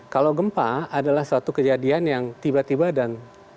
kalau gempa adalah suatu kejadian yang tiba tiba dan